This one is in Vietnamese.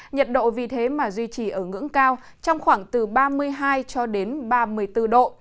nhiệt độ vì thế mà duy trì ở ngưỡng cao trong khoảng từ ba mươi hai cho đến ba mươi bốn độ